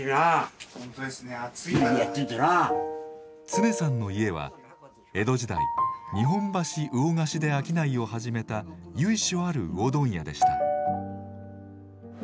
恒さんの家は江戸時代日本橋魚河岸で商いを始めた由緒ある魚問屋でした。